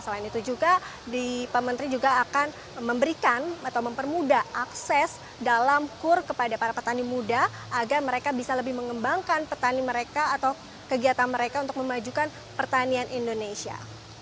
selain itu juga di pemerintah juga akan memberikan atau mempermudah akses dalam kur kepada para petani muda agar mereka bisa lebih mengembangkan petani mereka atau kegiatan mereka untuk memajukan pertanian indonesia